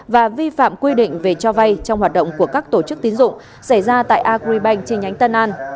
và vi phạm quy định về cho vay trong hoạt động của các tổ chức tín dụng xảy ra tại agribank trên nhánh tân an